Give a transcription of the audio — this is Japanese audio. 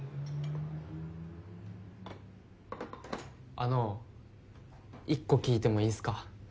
あの一個聞いてもいいっすか？